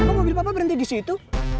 kok mobil papa berenti disitu